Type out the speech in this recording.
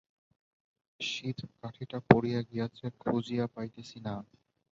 সিঁধকাঠিটা পড়িয়া গিয়াছে খুঁজিয়া পাইতেছি না।